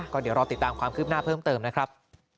ก็เดี๋ยวรอติดตามความคืบหน้าเพิ่มเติมนะครับ